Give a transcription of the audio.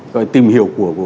gọi là tìm hiểu của khán giả